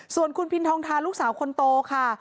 ส่วนคุณพินทองทาลูกสาวคนโตค่ะ